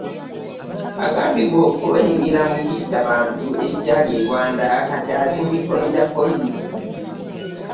Agambibwa okwenyigira mu kitta bantu ekyali e Rwanda Kati ali mu mikono gya poliisi.